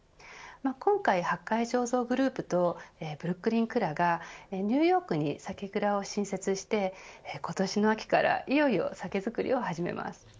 今回、八海醸造グループとブルックリンクラがニューヨークに酒蔵を新設して今年の秋からいよいよ酒造りを始めます。